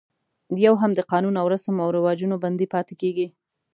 یو هم د قانون او رسم و رواجونو بندي پاتې کېږي.